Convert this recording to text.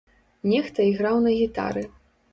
Нехта іграў на гітары.